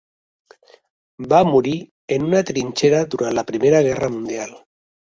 Va morir en una trinxera durant la Primera Guerra Mundial.